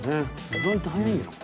意外と早いんよ。